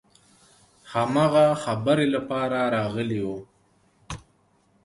هماغه خبرې لپاره راغلي وو.